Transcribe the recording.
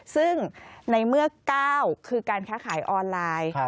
ซึ่งในเมื่อ๙คือการค้าขายออนไลน์